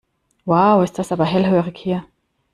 Wow, ist das aber hellhörig hier.